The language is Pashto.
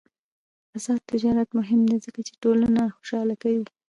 آزاد تجارت مهم دی ځکه چې ټولنه خوشحاله کوي.